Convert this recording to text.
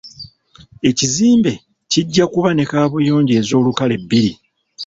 Ekizimbe kijja kuba ne kaabuyonjo ez'olukale bbiri.